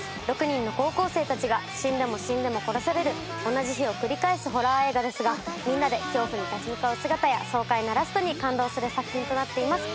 ６人の高校生たちが死んでも死んでも殺される同じ日を繰り返すホラー映画ですがみんなで恐怖に立ち向かう姿や爽快なラストに感動する作品となっています。